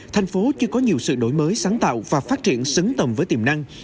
thành phố chưa có nhiều sự đổi mới sáng tạo và phát triển xứng tầm với tiềm năng